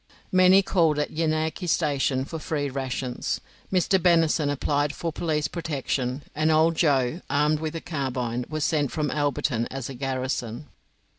Many called at Yanakie Station for free rations. Mr. Bennison applied for police protection, and Old Joe, armed with a carbine, was sent from Alberton as a garrison.